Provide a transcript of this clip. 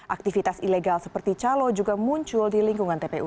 aktivitas ilegal seperti calo juga muncul di lingkungan tpu